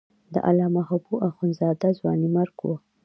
د علامه حبو اخند زاده ځوانیمرګ و.